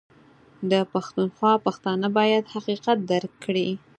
ده پښتونخوا پښتانه بايد حقيقت درک کړي